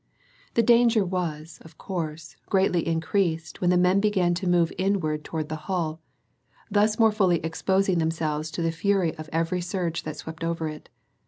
This danger was, of course, greatly increased when the men began to move inward toward the hull, thus more fully exposing themselves to the fury of every surge that swept over it.